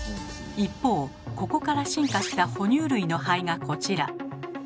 一方ここから進化した哺乳類の肺がこちら。